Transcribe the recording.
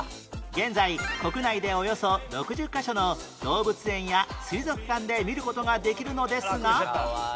現在国内でおよそ６０カ所の動物園や水族館で見る事ができるのですが